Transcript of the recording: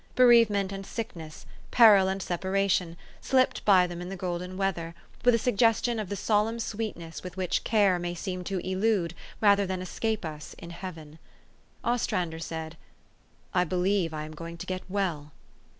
Bereavement^ and sickness, peril and sepa ration, slipped by them in the golden weather, with a suggestion of the solemn sweetness with which care may seem to elude rather than escape us in Heaven. Ostrander said, " I believe I am going to get well."